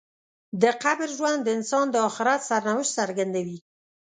د قبر ژوند د انسان د آخرت سرنوشت څرګندوي.